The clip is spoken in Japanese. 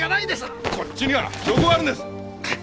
こっちには証拠があるんです！